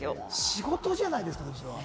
仕事じゃないですか。